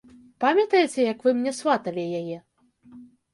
Памятаеце, як вы мне сваталі яе?